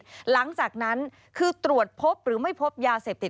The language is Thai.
หลังจากนั้นคือตรวจพบหรือไม่พบยาเสพติด